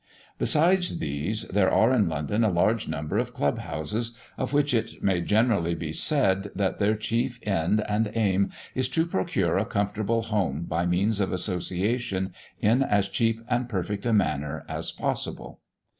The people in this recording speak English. Besides these, there are in London a large number of club houses, of which it may generally be said, that their chief end and aim is to procure a comfortable home by means of association, in as cheap and perfect a manner as possible.